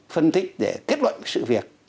phân tích để kết luận sự việc